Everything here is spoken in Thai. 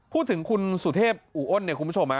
พูดถึงคุณสุเทพอุ้นคุณผู้ชม